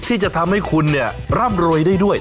ที่จะทำให้คุณเนี่ยร่ำรวยได้ด้วย